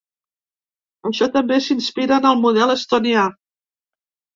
Això també s’inspira en el model estonià.